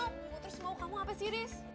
gue terus mau kamu hape sih riz